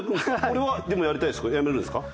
俺はでもやりたいですけどやめるんですか？